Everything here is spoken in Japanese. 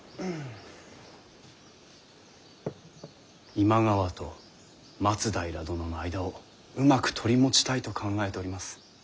今川と松平殿の間をうまく取り持ちたいと考えております。